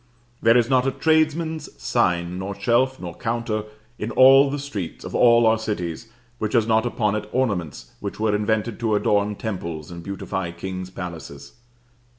There is not a tradesman's sign nor shelf nor counter in all the streets of all our cities, which has not upon it ornaments which were invented to adorn temples and beautify kings' palaces.